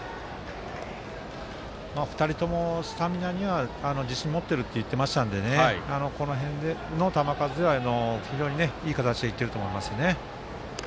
２人ともスタミナには自信を持っていると言っていましたので球数は非常にいい形で行っていると思いますね。